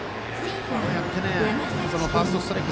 こうやってファーストストライク